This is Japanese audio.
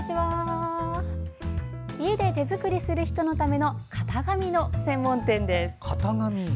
家で手作りする人のための型紙の専門店です。